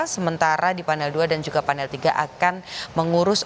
sementara di panel dua dan juga panel tiga akan mengurus